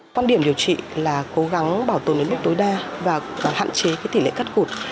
quan điểm điều trị là cố gắng bảo tồn đến mức tối đa và hạn chế tỷ lệ cắt cụt